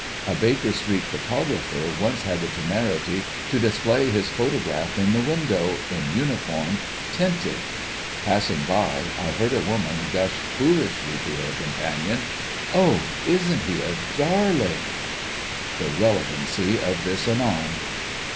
A Baker Street photographer once had the temerity to display his photograph in the window, in uniform, tinted. Passing by, I heard a woman gush foolishly to her companion, "Oh, isn't he a darling!" The relevancy of this anon.